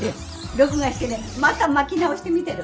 録画してねまた巻き直して見てる。